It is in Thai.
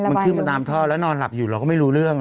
มันขึ้นมาตามท่อแล้วนอนหลับอยู่เราก็ไม่รู้เรื่อง